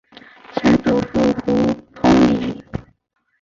曾祖父胡通礼。